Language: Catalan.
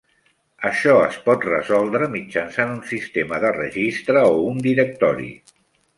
Això es pot resoldre mitjançant un sistema de registre o un directori.